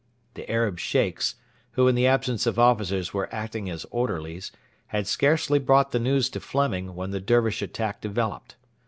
The Arab Sheikhs, who in the absence of officers were acting as orderlies, had scarcely brought the news to Fleming, when the Dervish attack developed.